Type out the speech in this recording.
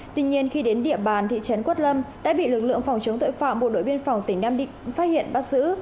tuy nhiên khi đến địa bàn thị trấn quất lâm đã bị lực lượng phòng chống tội phạm bộ đội biên phòng tỉnh nam định phát hiện bắt giữ